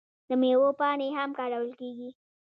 د میوو پاڼې هم کارول کیږي.